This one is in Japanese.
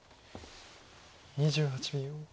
２８秒。